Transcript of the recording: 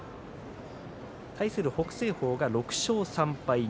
対する北青鵬は６勝３敗。